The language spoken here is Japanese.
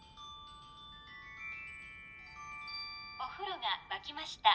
お風呂が沸きました。